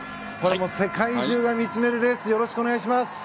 世界中が見つめるレースよろしくお願いします。